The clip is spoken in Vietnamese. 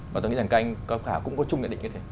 và tôi nghĩ rằng kênh có khả cũng có chung nhận định như thế